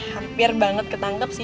hampir banget ketangkep sih